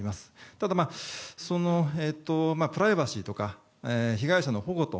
ただ、プライバシーとか被害者の保護と。